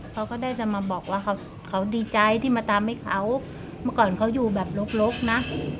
เขาก็ได้จะมาบอกว่าเขาดีใจที่มาทำให้เขาเมื่อก่อนเขาอยู่แบบลกนะ